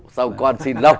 xong con xin lọc